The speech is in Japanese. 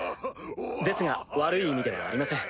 ですが悪い意味ではありません。